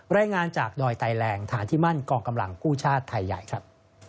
รายงานจากดอยไตแรงฐานที่มั่นกองกำลังกู้ชาติไทยใหญ่ครับ